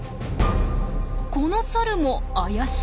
このサルも怪しい動き。